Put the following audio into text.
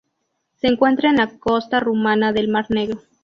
Se encuentra en la costa rumana del Mar Negro.